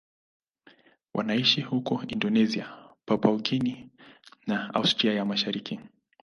Wanaishi huko Indonesia, Papua New Guinea na Australia ya Mashariki.